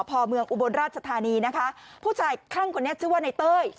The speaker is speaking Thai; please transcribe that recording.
พอเมืองอุบลราชธานีนะคะผู้ชายคลั่งคนนี้ชื่อว่าในเต้ย